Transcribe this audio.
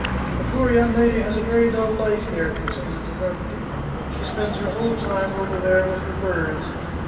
" The poor young lady has a very dull life here," con tinued the carpenter. " She spends her whole time over there with her birds.